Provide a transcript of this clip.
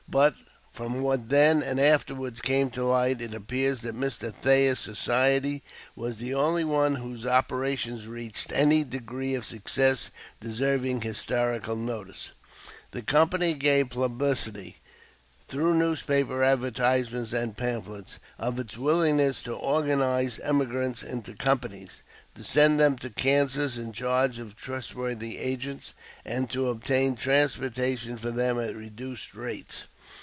But from what then and afterwards came to light, it appears that Mr. Thayer's society was the only one whose operations reached any degree of success deserving historical notice. This company gave publicity, through newspaper advertisements and pamphlets, of its willingness to organize emigrants into companies, to send them to Kansas in charge of trustworthy agents, and to obtain transportation for them at reduced rates.